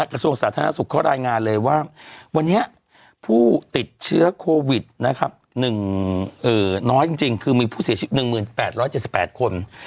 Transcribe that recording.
กระทรวงสาธารณสุขเขารายงานเลยว่าวันนี้ผู้ติดเชื้อโควิดนะครับน้อยจริงคือมีผู้เสียชีวิต๑๘๗๘คน